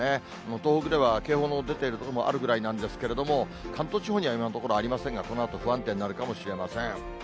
東北では警報の出てる所もあるぐらいなんですけども、関東地方には今のところ、ありませんが、このあと不安定になるかもしれません。